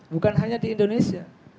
bukan hanya di indonesia